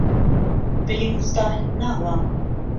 بلین ساحێب ناوە